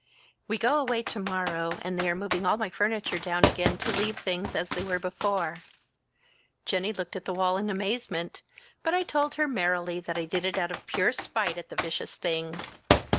We go away to morrow, and they are moving all my furniture down again to leave things as they were before. Jennie looked at the wall in amazement, but I told her merrily that I did it out of pure spite at the vicious thing.